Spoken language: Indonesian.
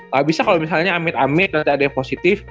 gak bisa kalau misalnya amit amit ada yang positif